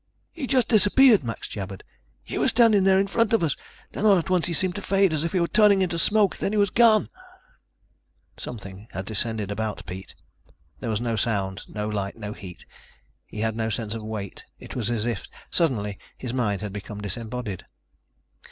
"He just disappeared," Max jabbered. "He was standing there in front of us. Then all at once he seemed to fade, as if he was turning into smoke. Then he was gone." Something had descended about Pete. There was no sound, no light, no heat. He had no sense of weight. It was as if, suddenly, his mind had become disembodied.